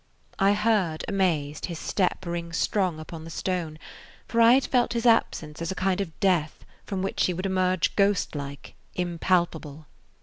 I heard, amazed, his step ring strong upon the stone, for I had felt his absence as a kind of death from which he would emerge ghostlike, impalpable.